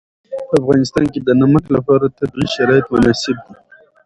په افغانستان کې د نمک لپاره طبیعي شرایط مناسب دي.